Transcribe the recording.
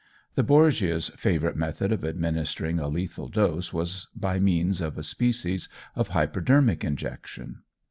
The Borgias' favourite method of administering a lethal dose was by means of a species of hypodermic injection.